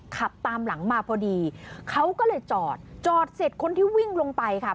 ขับตามหลังมาพอดีเขาก็เลยจอดจอดเสร็จคนที่วิ่งลงไปค่ะ